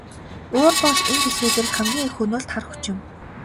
Уур бол энэ дэлхий дээрх хамгийн их хөнөөлт хар хүч юм.